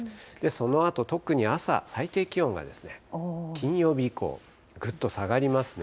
そのあと特に朝、最低気温が金曜日以降、ぐっと下がりますね。